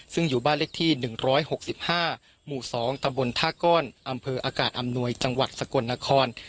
ซึ่งอยู่บ้านเลขที่๑๖๕หมู่๒ตำบลท่าก้อนอำเภออากาศอำนวยจังหวัดสกลนคร